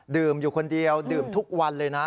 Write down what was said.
อยู่คนเดียวดื่มทุกวันเลยนะ